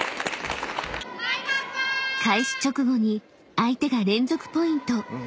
［開始直後に相手が連続ポイント］